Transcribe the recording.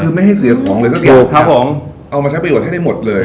คือไม่ให้เสียของเลยสักอย่างเอามาใช้ไปออกให้ได้หมดเลย